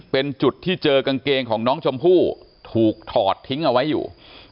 เป็นจุดที่เจอกางเกงของน้องชมพู่ถูกถอดทิ้งเอาไว้อยู่